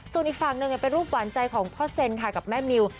ส่วนอีกฝั่งหนึ่งเป็นรูปหวานใจของพ่อเซนค่ะกับแม่มิว